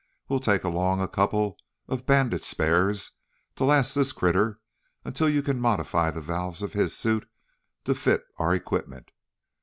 We'll take along a couple of Bandit's spares to last this critter until you can modify the valves on his suit to fit our equipment.